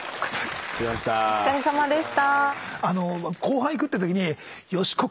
お疲れさまです。